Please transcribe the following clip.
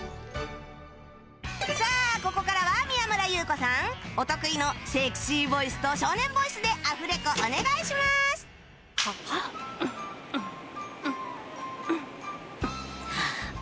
さあここからは宮村優子さんお得意のセクシーボイスと少年ボイスでアフレコお願いしますはふうんうんうんうんうん。